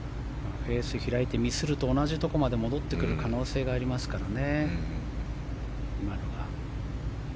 フェース開いてミスをすると同じところまで戻ってくる可能性がありますからね。